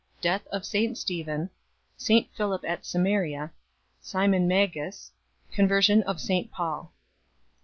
Death of St Stephen. St Philip at Samaria. Simon Magus. Conversion of St Paul.